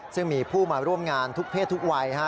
ซึ่งมีผู้มาร่วมงานทุกเพศทุกวัย